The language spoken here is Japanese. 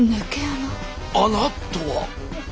穴とは？